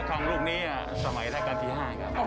ทางลูกนี้สมัยราชการที่๕ครับ